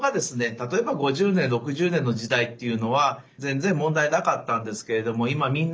例えば５０年６０年の時代っていうのは全然問題なかったんですけれども今みんな長生きするようになりました。